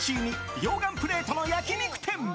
溶岩プレートの焼肉店。